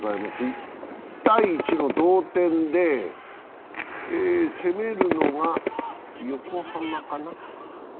１−１の同点で、攻めるのが横浜かな。